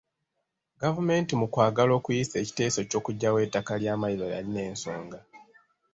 Gavumenti mu kwagala okuyisa ekiteeso ky’okuggyawo ettaka lya Mmayiro yalina ensonga.